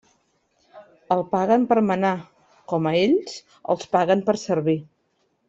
El paguen per manar, com a ells els paguen per servir.